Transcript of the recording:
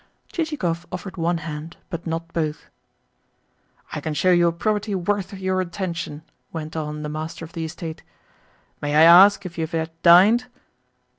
Chichikov offered one hand, but not both. "I can show you a property worth your attention," went on the master of the estate. "May I ask if you have yet dined?"